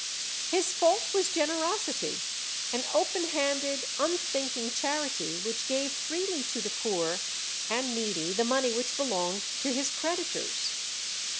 His fault was generosity, an open handed, unthinking charity which gave freely to the poor and needy the money which belonged to his creditors.